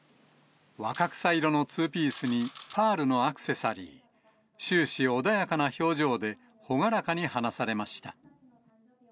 若草色のツーピースにパールのアクセサリー、終始穏やかな表情で、朗らかに話されました。